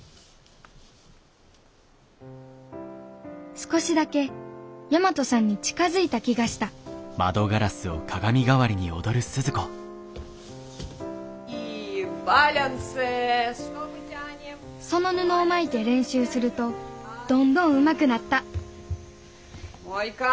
少しだけ大和さんに近づいた気がしたその布を巻いて練習するとどんどんうまくなったもう一回。